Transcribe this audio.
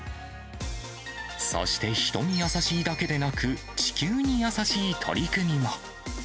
そして人に優しいだけでなく、地球に優しい取り組みも。